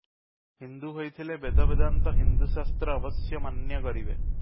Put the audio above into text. ହିନ୍ଦୁ ହୋଇଥିଲେ ବେଦ ବେଦାନ୍ତ ହିନ୍ଦୁଶାସ୍ତ୍ର ଅବଶ୍ୟ ମାନ୍ୟ କରିବେ।